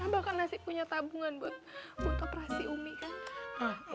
abah kan masih punya tabungan buat operasi umi kan